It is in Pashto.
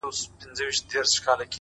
• كوم شېرشاه توره ايستلې ځي سسرام ته,